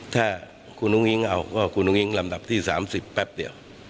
ถ้าคุณอุ้งอิ๊งเอาก็คุณอุ้งลำดับที่๓๐แป๊บเดียว